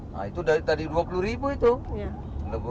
nah itu dari tadi rp dua puluh itu